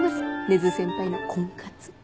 根津先輩の婚活。